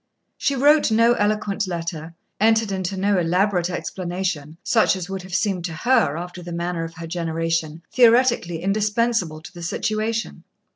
She wrote no eloquent letter, entered into no elaborate explanation such as would have seemed to her, after the manner of her generation, theoretically indispensable to the situation.